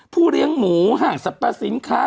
ผู้เลี้ยงหมูห่างสัปดาห์สินค้า